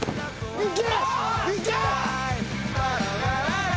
いけ！